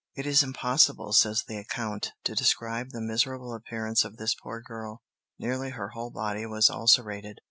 "It is impossible," says the account, "to describe the miserable appearance of this poor girl; nearly her whole body was ulcerated."